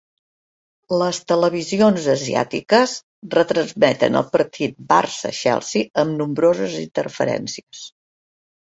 Les televisions asiàtiques retransmeten el partit Barça – Chelsea amb nombroses interferències